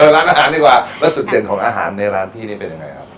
ร้านอาหารดีกว่าแล้วจุดเด่นของอาหารในร้านพี่นี่เป็นยังไงครับ